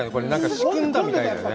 仕組んだみたいだよね。